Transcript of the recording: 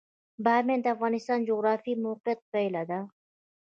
بامیان د افغانستان د جغرافیایي موقیعت پایله ده.